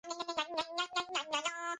ალბომი დაიწერა სამ კვირაში.